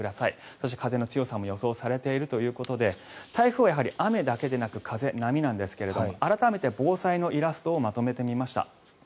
そして風の強さも予想されているということで台風はやはり雨だけでなく風、波なんですが改めて防災のイラストをまとめてみました。